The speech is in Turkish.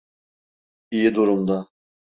İyi durumda.